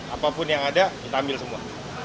apapun yang ada kita ambil semua